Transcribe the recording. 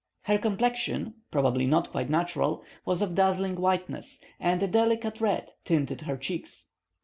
Her complexion, probably not quite natural, was of dazzling whiteness, and a delicate red tinted her cheeks.